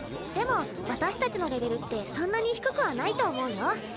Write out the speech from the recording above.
でも私たちのレベルってそんなに低くはないと思うよ？